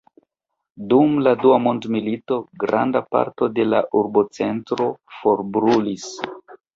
Dum la dua mondmilito granda parto de la urbocentro forbrulis.